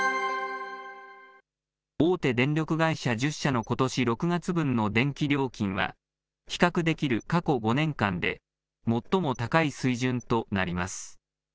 大手電力会社１０社のことし６月分の電気料金は、比較できる過去５年間で最も高い水準となります。